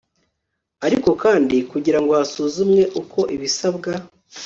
ariko kandi kugira ngo hasuzumwe uko ibisabwa